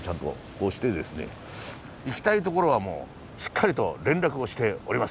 行きたい所はもうしっかりと連絡をしております。